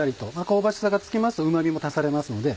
香ばしさがつきますうま味も足されますので。